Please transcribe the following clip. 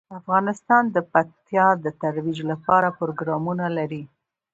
افغانستان د پکتیا د ترویج لپاره پروګرامونه لري.